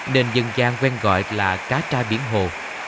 đền dân gian quen gọi là cá tra biển hồ